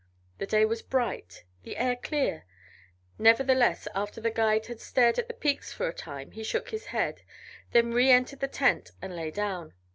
The day was bright, the air clear, nevertheless after the guide had stared up at the peaks for a time he shook his head, then reëntered the tent and lay down.